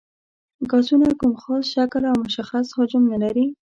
ګازونه کوم خاص شکل او مشخص حجم نه لري.